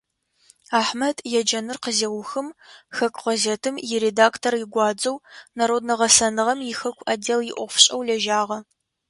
Ахьмэд еджэныр къызеухым, хэку гъэзетым иредактор игуадзэу, народнэ гъэсэныгъэм ихэку отдел иӀофышӀэу лэжьагъэ.